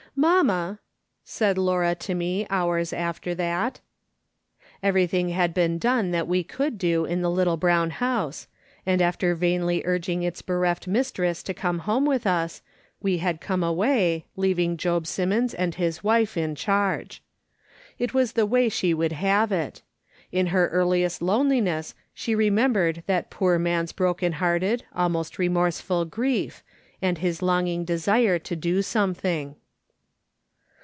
" Mamma !" said Laura to me hours after that. Everything had been done that we could do in the little brown house, and after vainly urging its bereft mistress to come home with us, we had come away, leaving Job Simmons and his wife in charge. It was the way she would have it. In her earliest 312 AfJ^S. SOLOMON SMITH LOOKING ON. loneliness she remembered that poor man's broken hearted, almost remorseful grief", and his longing desire to do something.